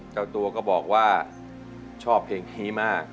เจ้าตัวก็บอกว่าชอบเพลงนี้มาก